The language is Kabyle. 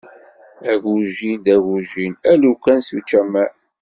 Agujil d agujil, a lukan s učamar.